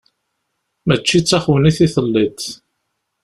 Mačči d taxewnit i telliḍ.